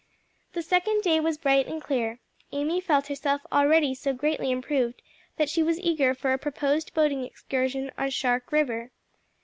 The second day was bright and clear. Amy felt herself already so greatly improved that she was eager for a proposed boating excursion on Shark River.